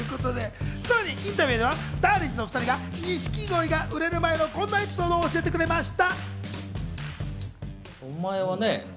さらにインタビューでは、だーりんずのお２人が錦鯉が売れる前のこんなエピソードを教えてくれました。